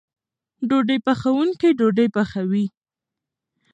ډوډۍ پخوونکی ډوډۍ پخوي.